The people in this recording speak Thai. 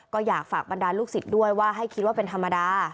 ก็อยากฝากบรรดาลูกศิษย์ด้วยว่าให้คิดว่าเป็นธรรมดา